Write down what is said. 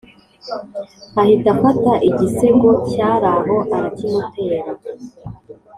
ahita afata igisego cyaraho arakimutera,